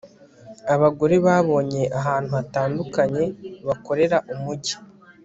abagore babonye ahantu hatandukanye bakorera umujyi